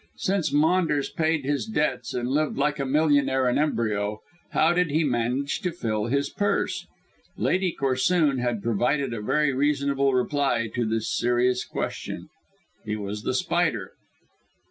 Since Maunders paid his debts and lived like a millionaire in embryo, how did he manage to fill his purse? Lady Corsoon had provided a very reasonable reply to this serious question. He was The Spider.